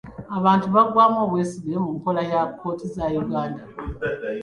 Abantu baggwamu obwesige mu nkola ya kkooti za Uganda.